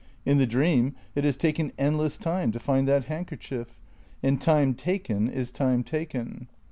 In the dream it has taken endless time to find that handkerchief. And time taken is time taken.